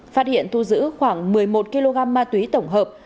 phát hiện thu giữ khoảng một mươi một kg ma túy tổng hợp